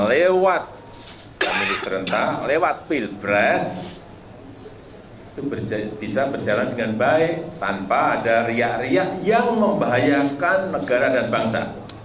lewat pemilu serentak lewat pilpres itu bisa berjalan dengan baik tanpa ada riak riak yang membahayakan negara dan bangsa